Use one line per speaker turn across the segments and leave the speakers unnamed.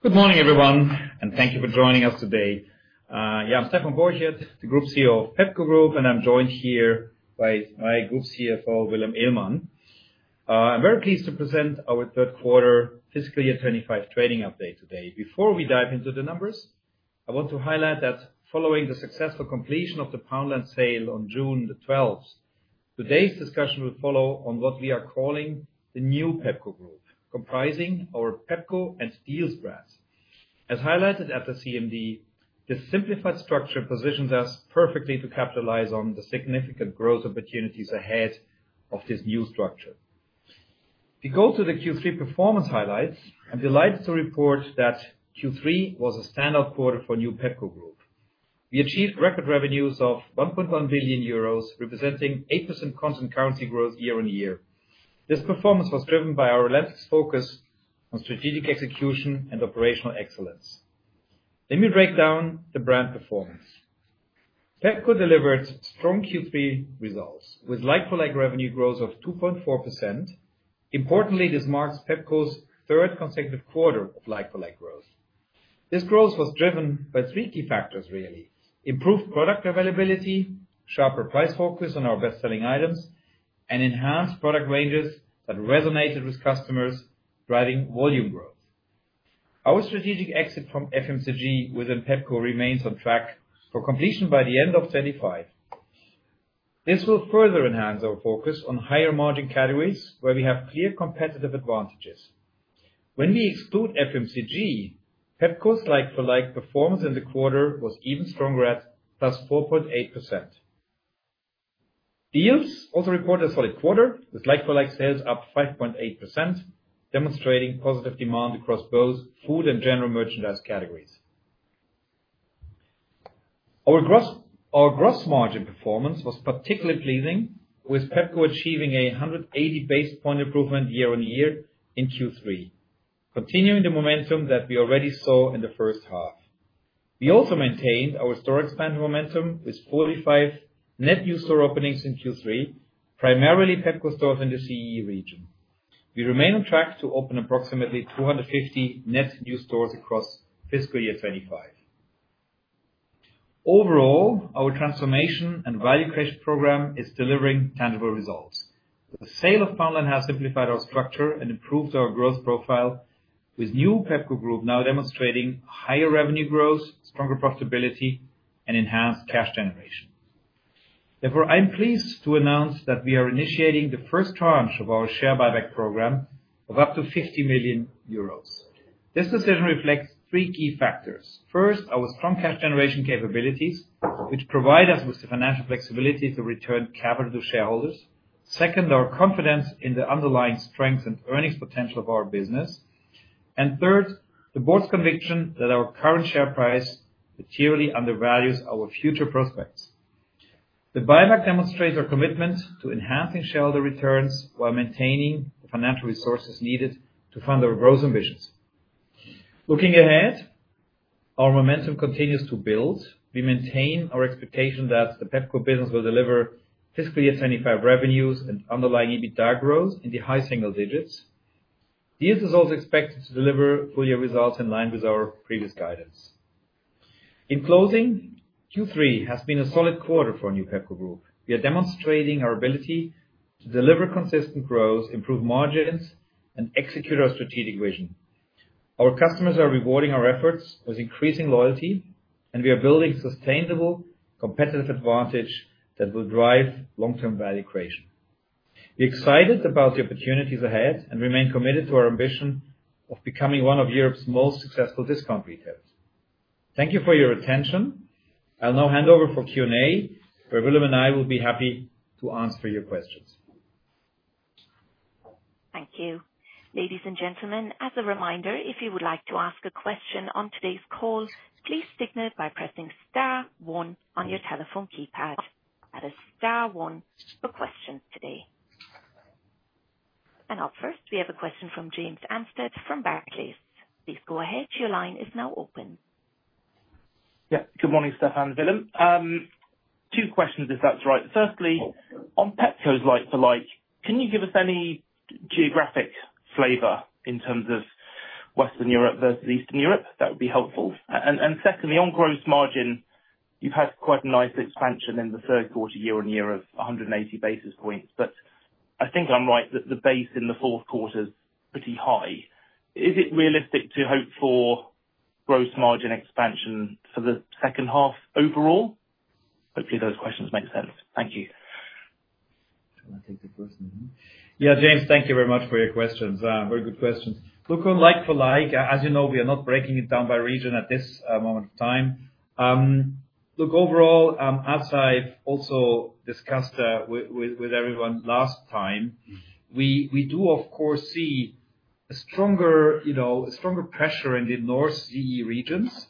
Good morning, everyone, and thank you for joining us today. Yeah, I'm Stephan Borchert, the Group CEO of Pepco Group, and I'm joined here by my Group CFO, Willem Eelman. I'm very pleased to present our third quarter fiscal year 2025 trading update today. Before we dive into the numbers, I want to highlight that following the successful completion of the Poundland sale on June the 12th, today's discussion will follow on what we are calling the new Pepco Group, comprising our Pepco and Dealz brands. As highlighted at the CMD, this simplified structure positions us perfectly to capitalize on the significant growth opportunities ahead of this new structure. We go to the Q3 performance highlights. I'm delighted to report that Q3 was a standout quarter for new Pepco Group. We achieved record revenues of 1.1 billion euros, representing 8% constant currency growth year-on-year. This performance was driven by our relentless focus on strategic execution and operational excellence. Let me break down the brand performance. Pepco delivered strong Q3 results with like-for-like revenue growth of 2.4%. Importantly, this marks Pepco's third consecutive quarter of like-for-like growth. This growth was driven by three key factors, really: improved product availability, sharper price focus on our best-selling items, and enhanced product ranges that resonated with customers, driving volume growth. Our strategic exit from FMCG within Pepco remains on track for completion by the end of 2025. This will further enhance our focus on higher margin categories where we have clear competitive advantages. When we exclude FMCG, Pepco's like-for-like performance in the quarter was even stronger, at plus 4.8%. Dealz also reported a solid quarter with like-for-like sales up 5.8%, demonstrating positive demand across both food and general merchandise categories. Our gross margin performance was particularly pleasing, with Pepco achieving a 180 basis point improvement year-on-year in Q3, continuing the momentum that we already saw in the first half. We also maintained our store expand momentum with 45 net new store openings in Q3, primarily Pepco stores in the CEE region. We remain on track to open approximately 250 net new stores across fiscal year 2025. Overall, our transformation and value creation program is delivering tangible results. The sale of Poundland has simplified our structure and improved our growth profile, with new Pepco Group now demonstrating higher revenue growth, stronger profitability, and enhanced cash generation. Therefore, I'm pleased to announce that we are initiating the first tranche of our share buyback program of up to 50 million euros. This decision reflects three key factors. First, our strong cash generation capabilities, which provide us with the financial flexibility to return capital to shareholders. Second, our confidence in the underlying strength and earnings potential of our business. Third, the board's conviction that our current share price materially undervalues our future prospects. The buyback demonstrates our commitment to enhancing shareholder returns while maintaining the financial resources needed to fund our growth ambitions. Looking ahead, our momentum continues to build. We maintain our expectation that the Pepco business will deliver fiscal year 2025 revenues and underlying EBITDA growth in the high single digits. Dealz is also expected to deliver full-year results in line with our previous guidance. In closing, Q3 has been a solid quarter for new Pepco Group. We are demonstrating our ability to deliver consistent growth, improve margins, and execute our strategic vision. Our customers are rewarding our efforts with increasing loyalty, and we are building sustainable competitive advantage that will drive long-term value creation. We're excited about the opportunities ahead and remain committed to our ambition of becoming one of Europe's most successful discount retailers. Thank you for your attention. I'll now hand over for Q&A, where Willem and I will be happy to answer your questions.
Thank you. Ladies and gentlemen, as a reminder, if you would like to ask a question on today's call, please signal by pressing star one on your telephone keypad. That is star one for questions today. Up first, we have a question from James Anstead from Barclays. Please go ahead. Your line is now open.
Yeah. Good morning, Stephan and Willem. Two questions, if that's right. Firstly, on Pepco's like-for-like, can you give us any geographic flavor in terms of Western Europe versus Eastern Europe? That would be helpful. Secondly, on gross margin, you've had quite a nice expansion in the third quarter year-on-year of 180 basis points, but I think I'm right that the base in the fourth quarter is pretty high. Is it realistic to hope for gross margin expansion for the second half overall? Hopefully, those questions make sense. Thank you.
Shall I take the first one? Yeah, James, thank you very much for your questions. Very good questions. Look, on like-for-like, as you know, we are not breaking it down by region at this moment in time. Look, overall, as I have also discussed with everyone last time, we do, of course, see a stronger pressure in the north CEE regions.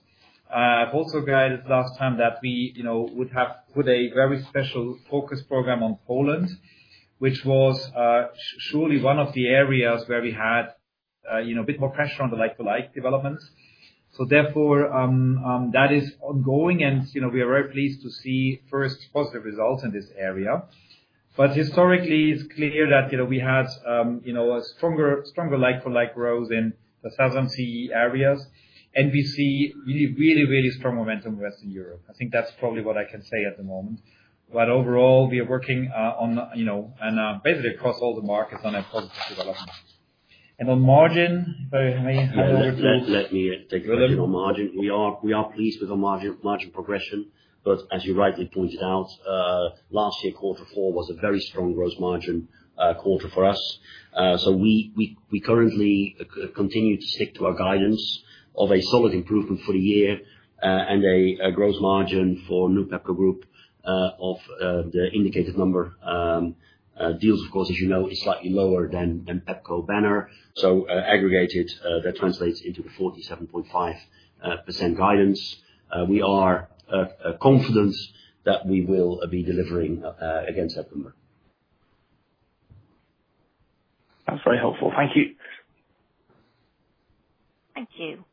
I have also guided last time that we would have put a very special focus program on Poland, which was surely one of the areas where we had a bit more pressure on the like-for-like developments. Therefore, that is ongoing, and we are very pleased to see first positive results in this area. Historically, it is clear that we had a stronger like-for-like growth in the southern CEE areas, and we see really, really, really strong momentum in Western Europe. I think that's probably what I can say at the moment. Overall, we are working on, and basically across all the markets, on a positive development. On margin, if I may hand over to.
Let me take that. On margin, we are pleased with our margin progression. As you rightly pointed out, last year, quarter four was a very strong gross margin quarter for us. We currently continue to stick to our guidance of a solid improvement for the year and a gross margin for new Pepco Group of the indicated number. Dealz, of course, as you know, is slightly lower than Pepco Banner. Aggregated, that translates into the 47.5% guidance. We are confident that we will be delivering against that number.
That's very helpful. Thank you.
Thank you.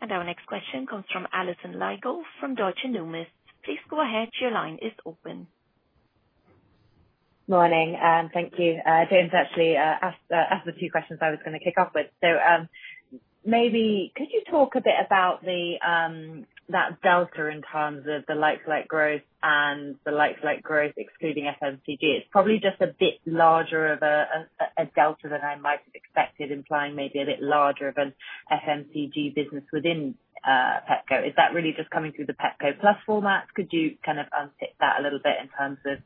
Our next question comes from Alison Lygo from Deutsche Numis. Please go ahead. Your line is open.
Good morning. Thank you. James actually asked the two questions I was going to kick off with. Maybe could you talk a bit about that delta in terms of the like-for-like growth and the like-for-like growth excluding FMCG? It is probably just a bit larger of a delta than I might have expected, implying maybe a bit larger of an FMCG business within Pepco. Is that really just coming through the Pepco Plus format? Could you kind of unpick that a little bit in terms of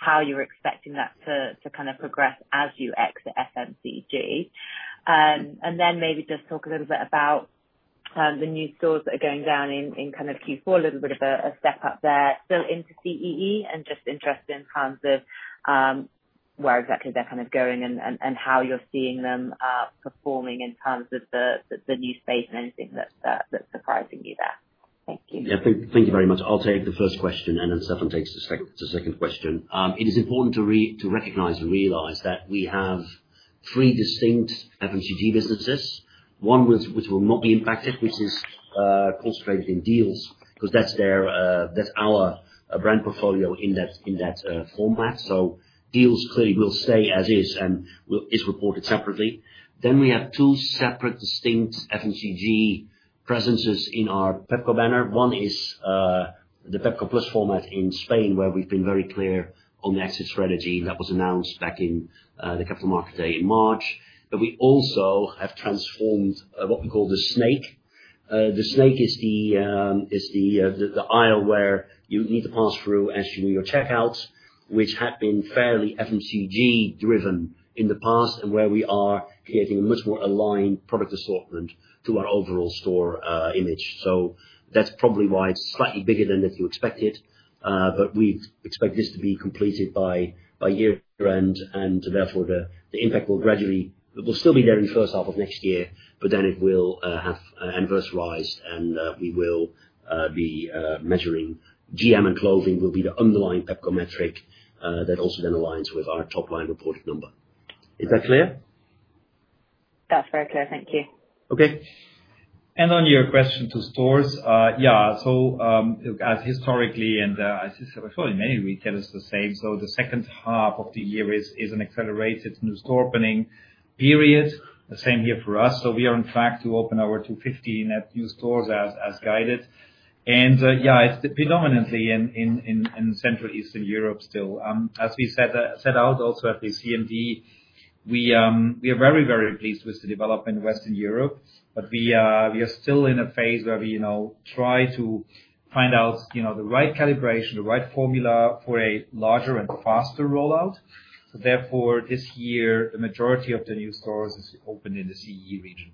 how you are expecting that to kind of progress as you exit FMCG? Maybe just talk a little bit about the new stores that are going down in kind of Q4, a little bit of a step up there, still into CEE, and just interested in terms of where exactly they're kind of going and how you're seeing them performing in terms of the new space and anything that's surprising you there. Thank you.
Yeah, thank you very much. I'll take the first question, and then Stephan takes the second question. It is important to recognize and realize that we have three distinct FMCG businesses, one which will not be impacted, which is concentrated in Dealz because that's our brand portfolio in that format. So Dealz clearly will stay as is and is reported separately. Then we have two separate distinct FMCG presences in our Pepco banner. One is the Pepco Plus format in Spain, where we've been very clear on the exit strategy that was announced back in the Capital Markets Day in March. But we also have transformed what we call the snake. The snake is the aisle where you need to pass through as you do your checkout, which had been fairly FMCG-driven in the past and where we are creating a much more aligned product assortment to our overall store image. That is probably why it is slightly bigger than you expected. We expect this to be completed by year-end, and therefore the impact will still be there in the first half of next year, but then it will have adversarialized, and we will be measuring GM and clothing will be the underlying Pepco metric that also then aligns with our top-line reported number. Is that clear?
That's very clear. Thank you.
Okay.
On your question to stores, yeah, look, as historically and as you said, probably many retailers the same. The second half of the year is an accelerated new store opening period, the same year for us. We are in fact to open our 250 net new stores as guided. Yeah, it's predominantly in Central Eastern Europe still. As we said out also at the CMD, we are very, very pleased with the development in Western Europe, but we are still in a phase where we try to find out the right calibration, the right formula for a larger and faster rollout. Therefore, this year, the majority of the new stores is open CEE region.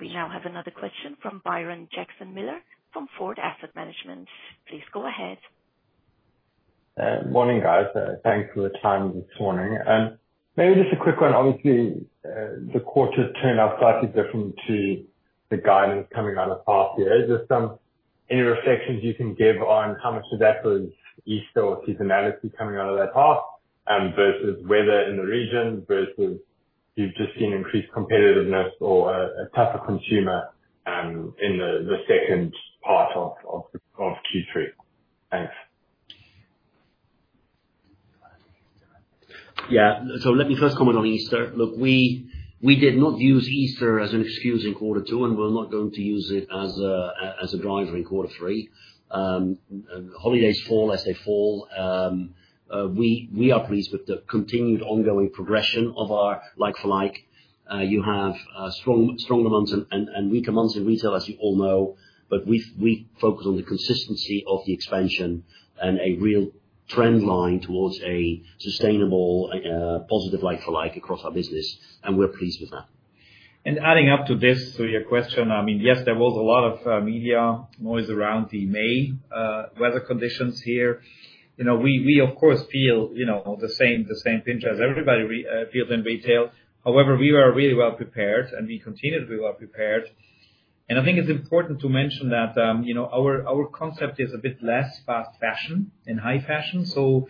We now have another question from Byron Jackson-Miller from Foord Asset Management. Please go ahead.
Morning, guys. Thanks for the time this morning. Maybe just a quick one. Obviously, the quarter turned out slightly different to the guidance coming out of half year. Just any reflections you can give on how much of that was Easter or seasonality coming out of that half versus weather in the region versus you've just seen increased competitiveness or a tougher consumer in the second part of Q3? Thanks.
Yeah. Let me first comment on Easter. Look, we did not use Easter as an excuse in quarter two and we're not going to use it as a driver in quarter three. Holidays fall as they fall. We are pleased with the continued ongoing progression of our like-for-like. You have stronger months and weaker months in retail, as you all know, but we focus on the consistency of the expansion and a real trend line towards a sustainable, positive like-for-like across our business, and we're pleased with that.
Adding up to this to your question, I mean, yes, there was a lot of media noise around the May weather conditions here. We, of course, feel the same pinch as everybody feels in retail. However, we were really well prepared, and we continue to be well prepared. I think it's important to mention that our concept is a bit less fast fashion and high fashion. There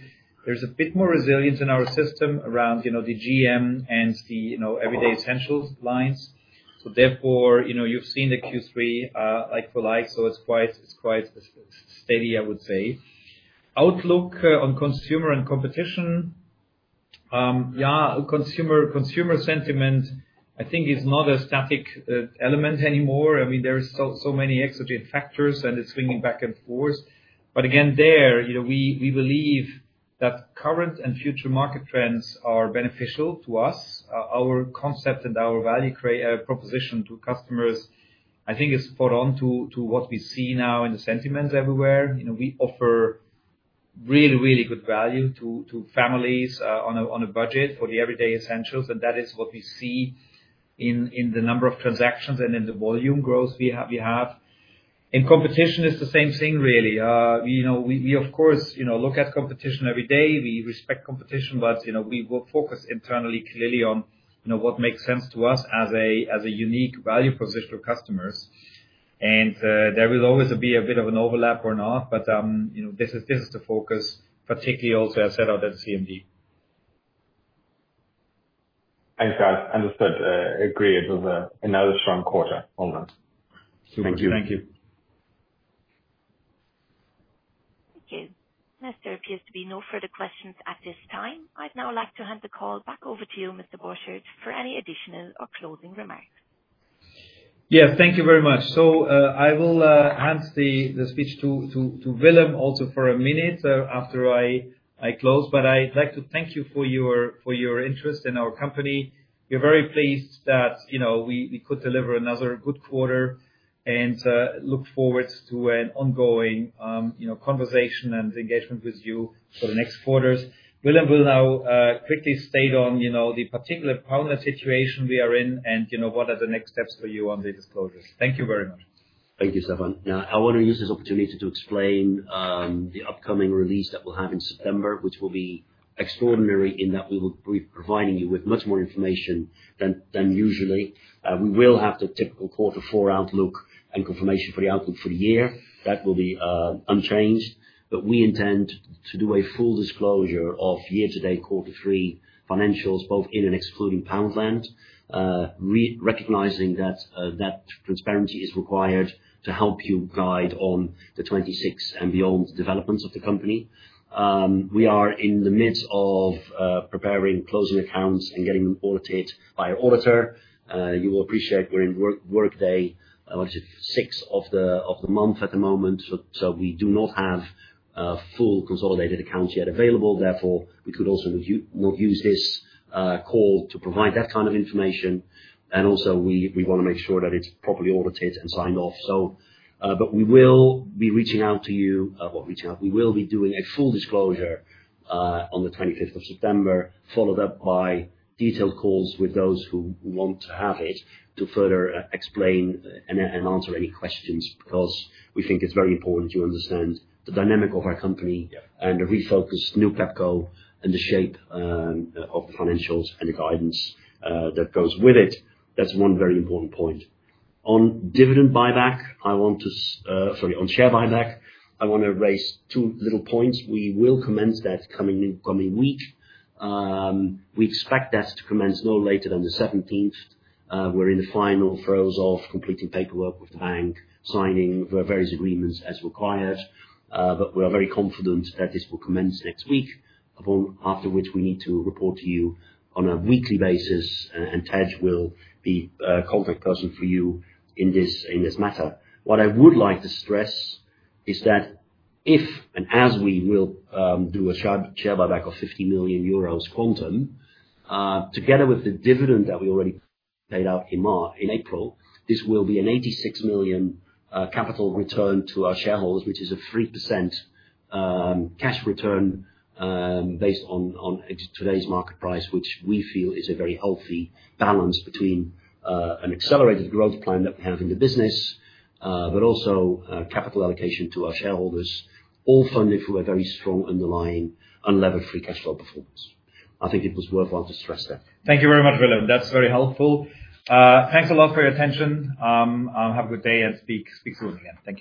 is a bit more resilience in our system around the GM and the everyday essentials lines. Therefore, you've seen the Q3 like-for-like, so it's quite steady, I would say. Outlook on consumer and competition, yeah, consumer sentiment, I think, is not a static element anymore. I mean, there are so many exogene factors, and it's swinging back and forth. Again, there, we believe that current and future market trends are beneficial to us. Our concept and our value proposition to customers, I think, is spot on to what we see now in the sentiments everywhere. We offer really, really good value to families on a budget for the everyday essentials, and that is what we see in the number of transactions and in the volume growth we have. In competition, it is the same thing, really. We, of course, look at competition every day. We respect competition, but we will focus internally clearly on what makes sense to us as a unique value proposition to customers. There will always be a bit of an overlap or not, but this is the focus, particularly also, as said out at CMD.
Thanks, guys. Understood. Agree. It was another strong quarter. All right.
Thank you.
Thank you.
Thank you. There appears to be no further questions at this time. I'd now like to hand the call back over to you, Mr. Borchert, for any additional or closing remarks.
Yes, thank you very much. I will hand the speech to Willem also for a minute after I close, but I'd like to thank you for your interest in our company. We're very pleased that we could deliver another good quarter and look forward to an ongoing conversation and engagement with you for the next quarters. Willem will now quickly state on the particular partner situation we are in and what are the next steps for you on the disclosures. Thank you very much.
Thank you, Stephan. Now, I want to use this opportunity to explain the upcoming release that we'll have in September, which will be extraordinary in that we will be providing you with much more information than usually. We will have the typical quarter four outlook and confirmation for the outlook for the year. That will be unchanged, but we intend to do a full disclosure of year-to-date quarter three financials, both in and excluding Poundland, recognizing that transparency is required to help you guide on the 2026 and beyond developments of the company. We are in the midst of preparing closing accounts and getting them audited by an auditor. You will appreciate we're in workday, I want to say, 6th of the month at the moment, so we do not have full consolidated accounts yet available. Therefore, we could also not use this call to provide that kind of information. Also, we want to make sure that it's properly audited and signed off. We will be reaching out to you. We will be doing a full disclosure on the 25th of September, followed up by detailed calls with those who want to have it to further explain and answer any questions because we think it's very important to understand the dynamic of our company and the refocused new Pepco and the shape of the financials and the guidance that goes with it. That's one very important point. On dividend buyback, I want to—sorry, on share buyback, I want to raise two little points. We will commence that coming week. We expect that to commence no later than the 17th. We're in the final throes of completing paperwork with the bank, signing various agreements as required. We are very confident that this will commence next week, after which we need to report to you on a weekly basis, and Tej will be a contact person for you in this matter. What I would like to stress is that if and as we will do a share buyback of 50 million euros quantum, together with the dividend that we already paid out in April, this will be an 86 million capital return to our shareholders, which is a 3% cash return based on today's market price, which we feel is a very healthy balance between an accelerated growth plan that we have in the business, but also capital allocation to our shareholders, all funded through a very strong underlying unlevered free cash flow performance. I think it was worthwhile to stress that.
Thank you very much, Willem. That's very helpful. Thanks a lot for your attention. Have a good day and speak soon again.